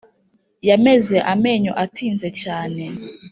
Yameze amenyo atinze cyane